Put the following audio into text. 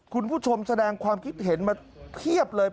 คุณผู้ชมแสดงความคิดเห็นมาเพียบเลย